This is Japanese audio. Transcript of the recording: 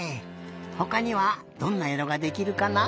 ほかにはどんないろができるかな？